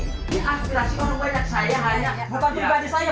ini aspirasi orang banyak saya hanya bukan di saya bukan di saya